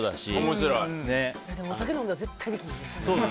でもお酒飲んだら絶対できひん。